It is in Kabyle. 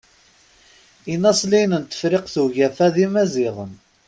Inaṣliyen n tefṛiqt ugafa d Imaziɣen.